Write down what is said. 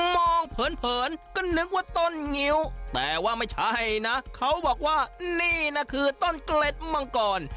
เผินก็นึกว่าต้นงิ้วแต่ว่าไม่ใช่นะเขาบอกว่านี่นะคือต้นเกล็ดมังกร